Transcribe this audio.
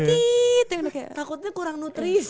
tiit kayak takutnya kurang nutris